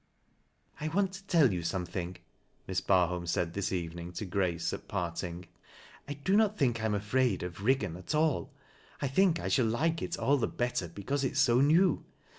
" I want to tell you something," Miss Barholm said this evening to Grace at parting. " I do not think I am afraid of Eiggan at all. I think I shall like it all the better because it is so new.